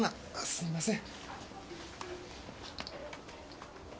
すいません。